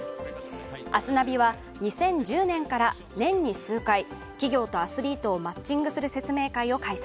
アスナビは２０１０年から年に数回企業とアスリートをマッチングする説明会を開催。